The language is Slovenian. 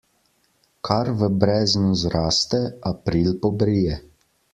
Kar v breznu zraste, april pobrije.